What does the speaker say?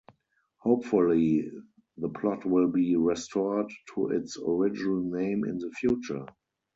Hopefully the plot will be restored to its original name in the future.